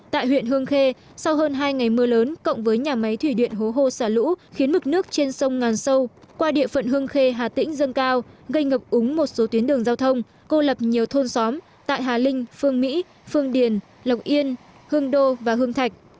tại huyện hương khê sau hơn hai ngày mưa lớn cộng với nhà máy thủy điện hố hô xả lũ khiến mực nước trên sông ngàn sâu qua địa phận hương khê hà tĩnh dâng cao gây ngập úng một số tuyến đường giao thông cô lập nhiều thôn xóm tại hà linh phương mỹ phương điền lộc yên hương đô và hương thạch